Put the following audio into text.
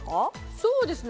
そうですね。